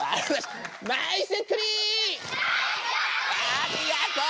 ありがとう！